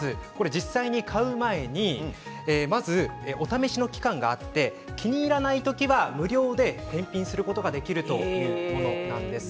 実際に買う前にまず、お試しの期間があって気に入らない時は無料で返品することができるというものなんです。